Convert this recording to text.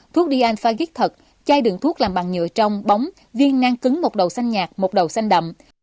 thuốc dianfagic thật chai đường thuốc làm bằng nhựa trong bóng viên nang cứng một đầu xanh nhạt một đầu xanh đậm